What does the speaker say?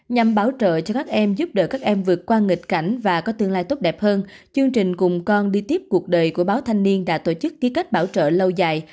nhằm bảo trợ cho các em giúp đỡ các em vượt qua nghịch cảnh và có tương lai tốt đẹp hơn chương trình cùng con đi tiếp cuộc đời của báo thanh niên đã tổ chức ký kết bảo trợ lâu dài